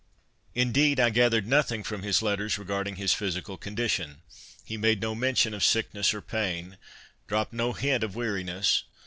Indeed, I gathered no thing from his letters regarding his physical condi tion. He made no mention of sickness or pain, dropped no hint of weariness.